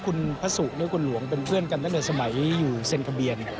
คุณพระสุหรือคุณหลวงเป็นเพื่อนกันตั้งแต่สมัยอยู่เซ็นทะเบียน